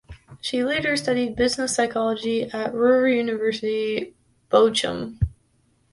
She later studied business psychology at Ruhr University Bochum.